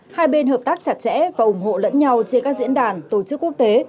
hai bên hợp tác chặt chẽ và ủng hộ lẫn nhau trên các diễn đàn tổ chức quốc tế